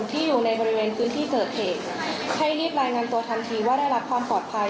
ที่อยู่ในบริเวณพื้นที่เกิดเหตุให้รีบรายงานตัวทันทีว่าได้รับความปลอดภัย